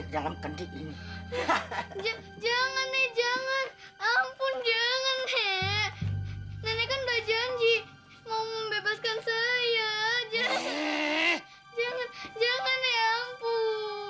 jangan jangan ya ampun